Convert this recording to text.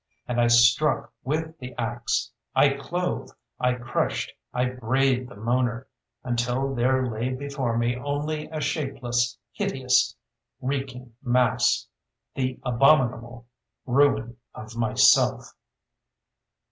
And I struck with the axe; I clove, I crushed, I brayed the Moaner, until there lay before me only a shapeless, hideous, reeking mass, the abominable ruin of Myself....